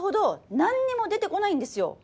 何にも出てこないんですよ。